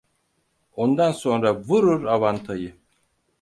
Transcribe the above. Ondan sonra vurur avantayı…